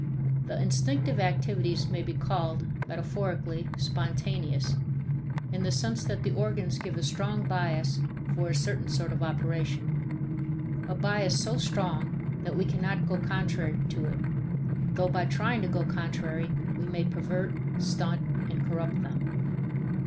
The instinctive activities may be called, metaphorically, spontaneous, in the sense that the organs give a strong bias for a certain sort of operation, a bias so strong that we cannot go contrary to it, though by trying to go contrary we may pervert, stunt, and corrupt them.